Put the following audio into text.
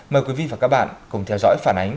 mời quý vị và các bạn cùng theo dõi phản ánh